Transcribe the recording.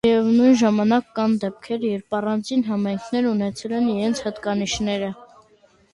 Միևնույն ժամանակ, կան դեպքեր, երբ առանձին համայնքներ ունեցել են իրենց հատկանիշները։